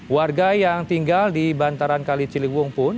warga yang tinggal di bantaran kali ciliwung pun